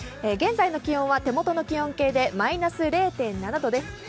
現在の気温は手元の気温計でマイナス０．７度です。